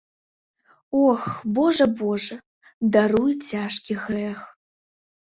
Ох, божа, божа, даруй цяжкі грэх.